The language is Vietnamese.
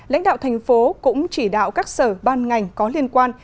lãnh đạo thành phố cũng chỉ đạo các sở ban ngành có liên quan